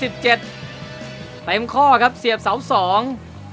เจ็ดเต็มข้อครับเสียบเสาสอง